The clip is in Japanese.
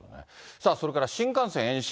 さあ、それから新幹線延伸。